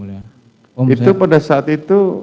itu pada saat itu